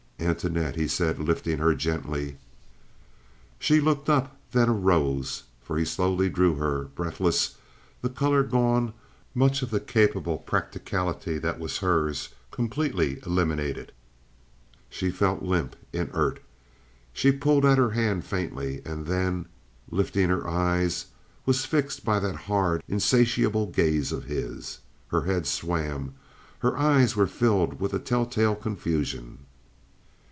"Antoinette," he said, lifting her gently. She looked up, then arose—for he slowly drew her—breathless, the color gone, much of the capable practicality that was hers completely eliminated. She felt limp, inert. She pulled at her hand faintly, and then, lifting her eyes, was fixed by that hard, insatiable gaze of his. Her head swam—her eyes were filled with a telltale confusion.